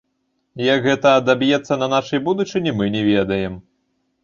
Як гэта адаб'ецца на нашай будучыні, мы не ведаем.